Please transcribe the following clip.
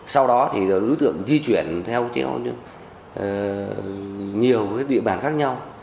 sau đó thì đối tượng di chuyển theo nhiều địa bàn khác nhau